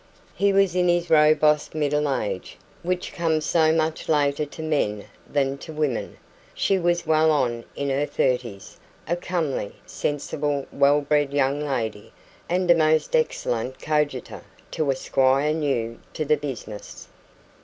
He was in his robust middle age, which comes so much later to men than to women, she was well on in her thirties a comely, sensible, well bred young lady, and a most excellent coadjutor to a squire new to the business.